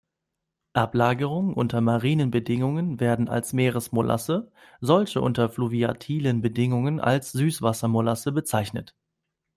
Ablagerungen unter marinen Bedingungen werden als Meeresmolasse, solche unter fluviatilen Bedingungen als Süsswassermolasse bezeichnet.